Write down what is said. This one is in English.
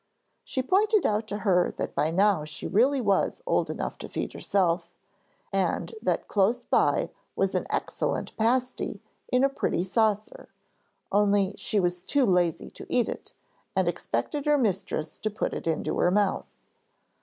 She pointed out to her that by now she really was old enough to feed herself, and that close by was an excellent pasty in a pretty saucer, only she was too lazy to eat it, and expected her mistress to put it in her mouth.